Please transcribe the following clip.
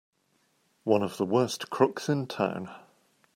One of the worst crooks in town!